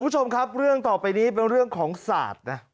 คุณผู้ชมครับเรื่องต่อไปนี้เป็นเรื่องของศาสตร์นะ